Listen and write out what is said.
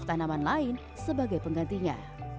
tanaman lain sebagai penggantinya